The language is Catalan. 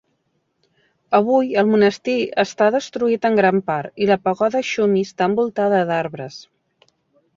Avui el monestir està destruït en gran part i la pagoda Xumi està envoltada d'arbres.